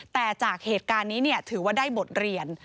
แต่จากเหตุการณ์นี้ถือว่าได้บทเรียน